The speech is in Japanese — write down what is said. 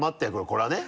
これはね。